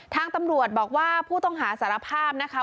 ทางตำรวจบอกว่าผู้ต้องหาสารภาพนะคะ